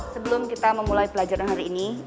sebelum kita memulai pelajaran hari ini